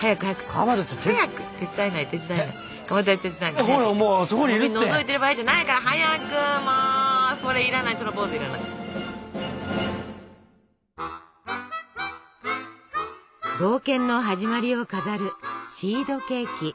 冒険の始まりを飾るシードケーキ。